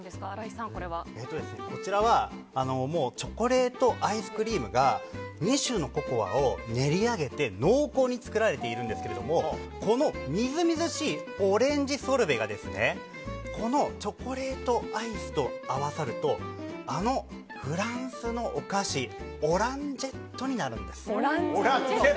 こちらはチョコレートアイスクリームが２種のココアを練り上げて濃厚に作られているんですがみずみずしいオレンジソルベがこのチョコレートアイスと合わさるとあのフランスのお菓子オランジェットになるんです。